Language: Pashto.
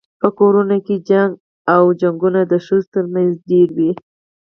په کورونو کي جنګ او جګړه د ښځو تر منځ ډیره وي